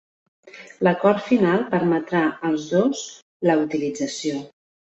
L'acord final permetrà als dos la utilització.